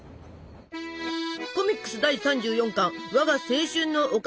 コミックス第３４巻「我が青春のお菓子特集」。